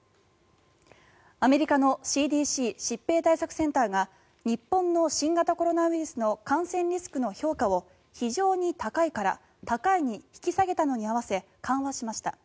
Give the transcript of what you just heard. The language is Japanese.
アメリカのＣＤＣ・疾病対策センターが日本の新型コロナウイルスの感染リスクの評価を非常に高いから高いに引き下げたのに合わせ緩和しました。